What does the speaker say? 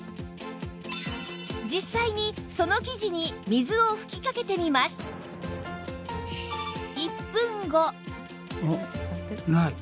実際にその生地に水を吹きかけてみますない。